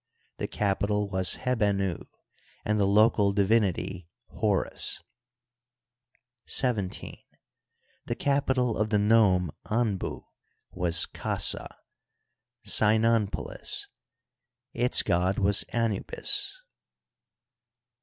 The capital was Hebenu, and the local divinity Horus, XVII. The capi tal of the nome Anbu was Kasa {Cynonpolis) ; its god was Anubis, XVIII.